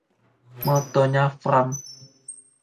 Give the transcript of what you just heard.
Mottonya Fram!